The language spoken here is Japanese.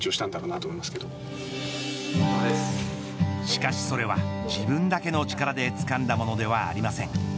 しかしそれは自分だけの力でつかんだものではありません。